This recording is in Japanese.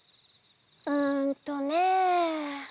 うんとね。